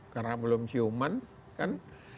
karena belum siuman kan